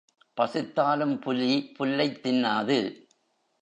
பசித்தாலும் புலி புல்லைத் தின்னாது.